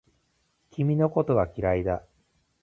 君のことが嫌いだ